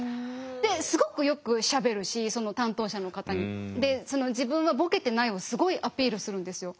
ですごくよくしゃべるしその担当者の方に。で自分はボケてないをすごいアピールするんですよ。